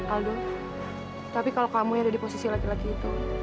aldo tapi kalau kamu yang ada di posisi laki laki itu